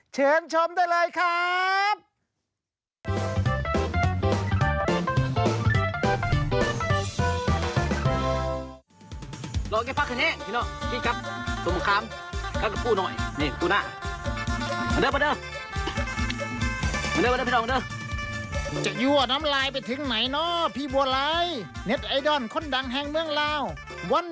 เชิญชมได้เลยครับ